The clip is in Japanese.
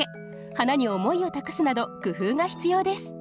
花に思いを託すなど工夫が必要です